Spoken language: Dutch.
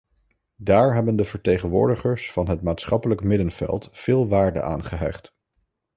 Daar hebben de vertegenwoordigers van het maatschappelijk middenveld veel waarde aan gehecht.